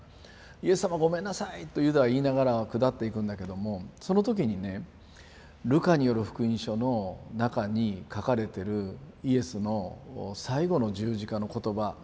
イエス様ごめんなさい！とユダは言いながら下っていくんだけどもその時にね「ルカによる福音書」の中に書かれてるイエスの最後の十字架の言葉がユダに届く。